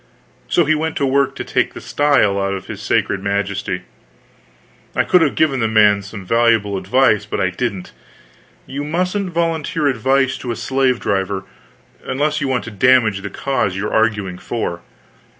So he went to work to take the style out of his sacred majesty. I could have given the man some valuable advice, but I didn't; you mustn't volunteer advice to a slave driver unless you want to damage the cause you are arguing for.